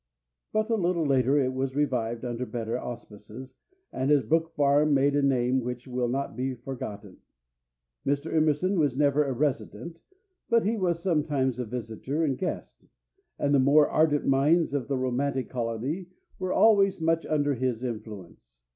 But a little later it was revived under better auspices, and as Brook Farm made a name which will not be forgotten. Mr. Emerson was never a resident, but he was sometimes a visitor and guest, and the more ardent minds of the romantic colony were always much under his influence.